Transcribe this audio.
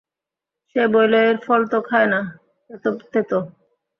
সে বলিল -এ ফল তো খায না, এ তো তেতো।